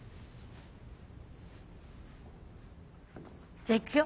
じゃあいくよ。